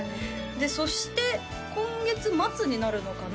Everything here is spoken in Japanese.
そして今月末になるのかな？